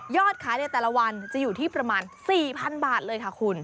ขายในแต่ละวันจะอยู่ที่ประมาณ๔๐๐๐บาทเลยค่ะคุณ